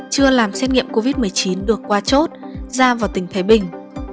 chưa làm xét nghiệm covid một mươi chín được qua chốt ra vào tỉnh thái bình